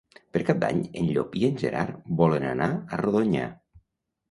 Per Cap d'Any en Llop i en Gerard volen anar a Rodonyà.